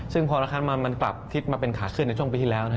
ซึ่งพอราคามันกลับทิศมาเป็นขาขึ้นในช่วงปีที่แล้ว